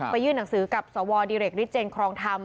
ยื่นหนังสือกับสวดิเรกฤทธเจนครองธรรม